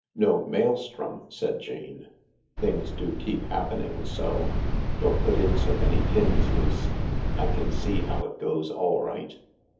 " No, maelstrom," said Jane. " Things do keep happen ing so. Don't put in so many pins, Luce. I can see how it goes all right."